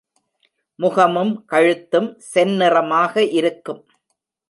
முகமும் கழுத்தும் செந்நிறமாக இருக்கும்.